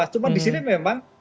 cuma di sini memang